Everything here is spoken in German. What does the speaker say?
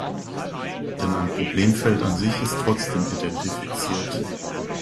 Denn ein Problemfeld an sich ist trotzdem identifiziert.